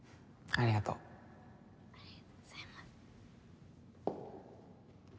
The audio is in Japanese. ありがとうございます。